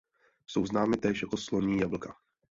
Jsou známy též jako sloní jablka.